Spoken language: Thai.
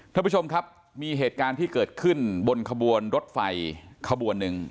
ท่านผู้ชมครับมีเหตุการณ์ที่เกิดขึ้นบนขบวนรถไฟขบวนหนึ่ง